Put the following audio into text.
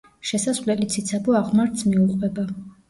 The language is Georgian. შესასვლელი ციცაბო აღმართს მიუყვება.